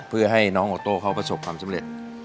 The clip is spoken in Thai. เพื่อให้น้องออโต้เขาประสบความสำเร็จ